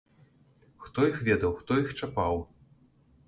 Хто іх ведаў, хто іх чапаў!